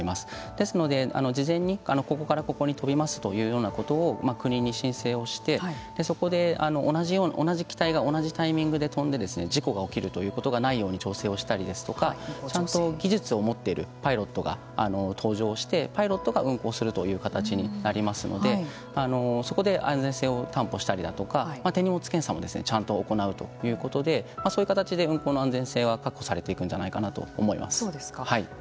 ですので事前にここからここに飛びますというようなことを国に申請をしてそこで同じ機体が同じタイミングで飛んで事故が起きるということがないように調整をしたりですとかちゃんと技術を持っているパイロットが搭乗してパイロットが運航するという形になりますのでそこで安全性を担保したりだとか手荷物検査もちゃんと行うということでそういう形で運航の安全性は確保されていくんじゃないかと思います。